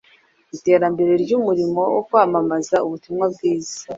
iterambere ry’umurimo wo kwamamaza ubutumwa bwiza,